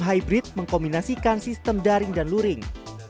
hybrid mengkombinasikan sistem daring dan luring